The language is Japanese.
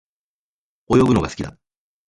泳ぐのが好きだ。